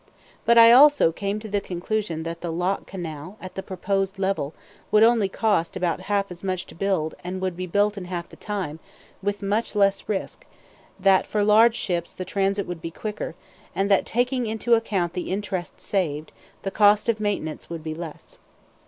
But I also came to the conclusion that the lock canal at the proposed level would cost only about half as much to build and would be built in half the time, with much less risk; that for large ships the transit would be quicker, and that, taking into account the interest saved, the cost of maintenance would be less.